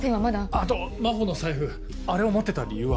あと真帆の財布あれを持ってた理由は？